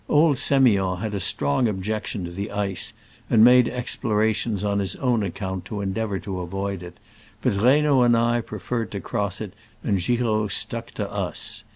Old Semiond had a strong ob jection to the ice, and made explora tions on his own account to endeavor to avoid it; but Reynaud and I pre ferred to cross it, and Giraud stuck to us.